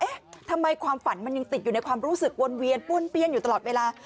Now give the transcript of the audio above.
เอ๊ะทำไมความฝันมันยังติดอยู่ในความรู้สึกวนเวียนป้วนเปี้ยนอยู่ตลอดเวลา